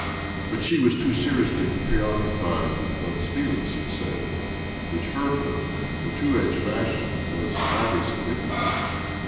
But she was too seriously preoccupied with what Felix had said, which hurt her in a two edged fashion that was highly significant.